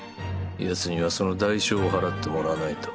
ヤツにはその代償を払ってもらわないと。